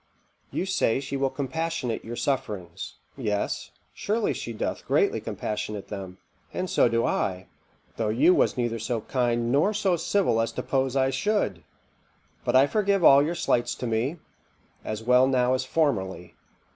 You say she will compassionate your sufferings; yes, surely she doth greatly compassionate them, and so do I too, though you was neither so kind nor so civil as to suppose I should. But I forgive all your slights to me, as well now as formerly.